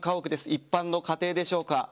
一般の家庭でしょうか。